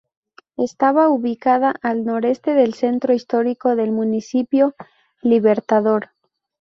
Está ubicada al noroeste del centro histórico del Municipio Libertador.